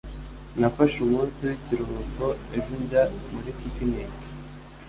Nafashe umunsi w'ikiruhuko ejo njya muri picnic.